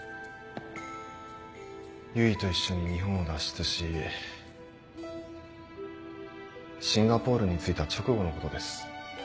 唯と一緒に日本を脱出しシンガポールに着いた直後のことです。